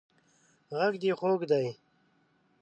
غږ دې خوږ دی